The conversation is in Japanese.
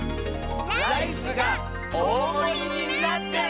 ライスがおおもりになってる！